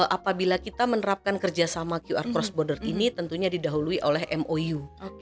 apabila kita menerapkan kerjasama qr cost border ini tentunya didahului oleh mou